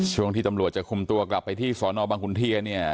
ช่วงที่ตำรวจจะคุมตัวกลับไปที่สนบังคุณเทีย